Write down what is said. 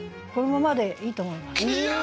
このままでいいと思います。